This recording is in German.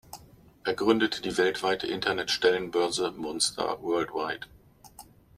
Er gründete die weltweite Internet-Stellenbörse Monster Worldwide.